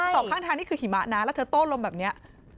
สองข้างทางนี่คือหิมะนะแล้วเธอโต้ลมแบบนี้